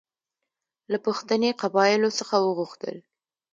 له پښتني قبایلو څخه وغوښتل.